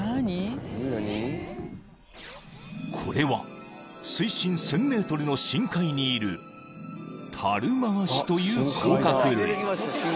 ［これは水深１，０００ｍの深海にいるタルマワシという甲殻類］